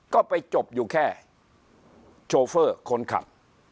ก็ไปจบอยู่แค่โชเฟอร์คนขับ